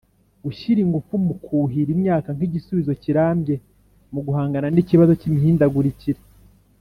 Gushyira ingufu mu kuhira imyaka nk igisubizo kirambye mu guhangana n ikibazo cy imihindagurikire